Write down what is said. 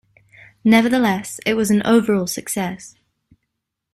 Nevertheless, it was an overall success.